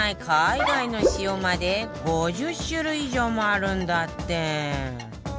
海外の塩まで５０種類以上もあるんだって